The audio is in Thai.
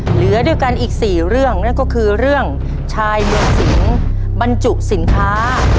เหลือด้วยกันอีก๔เรื่องนั่นก็คือเรื่องชายเมืองสิงบรรจุสินค้า